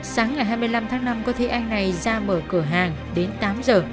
sáng ngày hai mươi năm tháng năm có thể anh này ra mở cửa hàng đến tám giờ